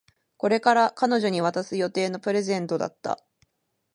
これから彼女に渡す予定のプレゼントだった